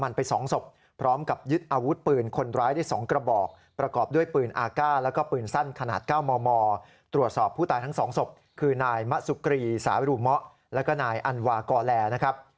แล้วก็นายอันวากลแหลนะครับ